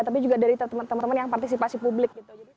tapi juga dari teman teman yang partisipasi publik gitu